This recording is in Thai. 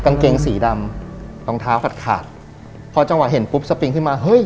กางเกงสีดำรองเท้าขาดขาดพอจังหวะเห็นปุ๊บสปริงขึ้นมาเฮ้ย